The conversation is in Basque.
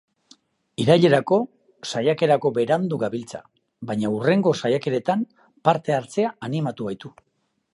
Irailerako saiakerarako berandu gabiltza, baina hurrengo saiakeretan parte hartzera animatu gaitu.